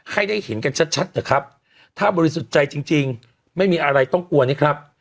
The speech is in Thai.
ให้ได้เห็นกันชัดเถอะครับถ้าบริสุทธิ์ใจจริงไม่มีอะไรต้องกลัวนี่ครับ